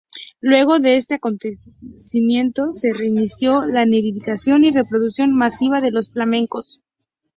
Luego de este acontecimiento, se reinició la nidificación y reproducción masiva de los flamencos.